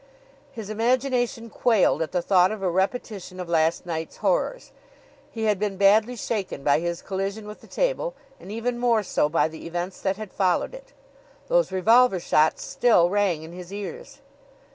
His imagination quailed at the thought of a repetition of last night's horrors. He had been badly shaken by his collision with the table and even more so by the events that had followed it. Those revolver shots still rang in his ears.